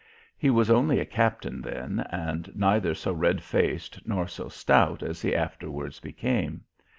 He was only a captain then and neither so red faced nor so stout as he afterwards became.